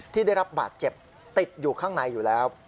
ที่ได้รับบาดเจ็บติดอยู่ข้างในอยู่แล้ว